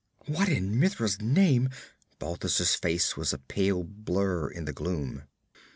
'What in Mitra's name ' Balthus' face was a pale blur in the gloom.